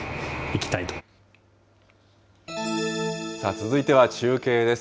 続いては中継です。